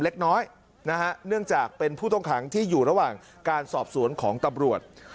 เล็กน้อยนะฮะเนื่องจากเป็นผู้ต้องขังที่อยู่ระหว่างการสอบสวนของตำรวจ